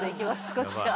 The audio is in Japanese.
こっちは。